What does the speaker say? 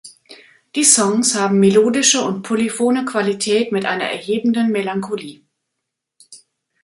Die Songs haben melodische und polyphone Qualität mit einer erhebenden Melancholie.